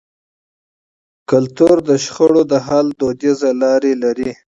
فرهنګ د شخړو د حل دودیزي لارې لري.